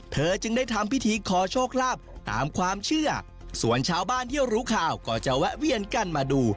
เธอจึงได้ทำพิธีขอโชคลาภตามความเชื่อส่วนชาวบ้านที่รู้ข่าวก็จะแวะเวียนกันมาดู